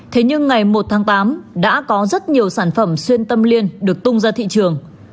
thế nhưng ngày một tháng tám đã có rất nhiều sản phẩm xuyên tâm liên được tung ra thị trường